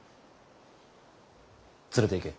連れていけ！